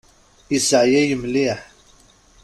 Iseɛyay mliḥ.